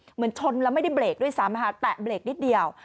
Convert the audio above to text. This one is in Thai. เหมือนชนแล้วไม่ได้เบรกด้วยซ้ำค่ะแตะเบรกนิดเดียว